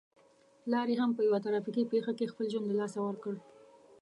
پلار يې هم په يوه ترافيکي پېښه کې خپل ژوند له لاسه ور کړ.